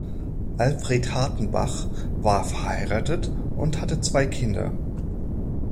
Alfred Hartenbach war verheiratet und hatte zwei Kinder.